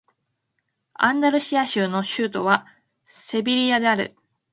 アンダルシア州の州都はセビリアである